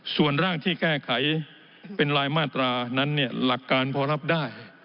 ส่วนร่างที่แก้ไขเป็นรายมาตรานั้นหลักการพอรับได้